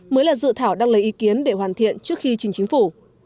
mới là dự thảo đăng lấy ý kiến để hoàn thiện trước khi trình chính phủ